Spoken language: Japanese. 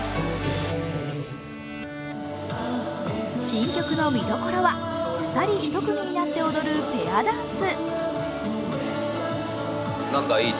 新曲の見どころは、２人１組になって踊るペアダンス。